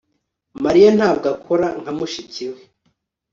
Mariya ntabwo akora nka mushiki we